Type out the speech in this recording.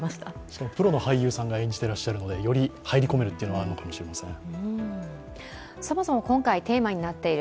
しかもプロの俳優さんが演じていらっしゃいますので、より入り込めるというのがあるかもしれませんね。